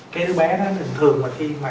cái đứa bé đó bình thường mà khi mà